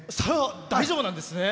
大丈夫なんですね。